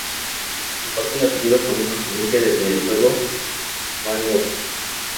Comparte el apellido con un personaje del videojuego Manhunt.